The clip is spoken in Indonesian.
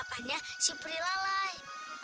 bapaknya si prilalai